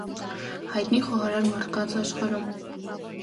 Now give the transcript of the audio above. Հայտնի խոհարար մարդկանց աշխարհում։